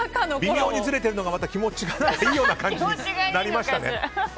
微妙にずれてるのがまた気持ちがいいような感じになりましたね。